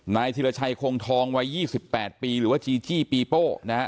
ธิรชัยคงทองวัย๒๘ปีหรือว่าจีจี้ปีโป้นะฮะ